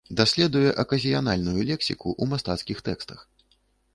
Даследуе аказіянальную лексіку ў мастацкіх тэкстах.